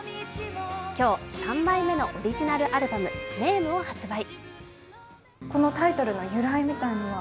今日、３枚目のオリジナルアルバム「ｎａｍｅ」を発売。